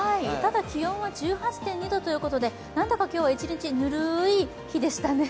気温は１８．２度ということなのでなんだか今日は一日ぬるい日でしたね。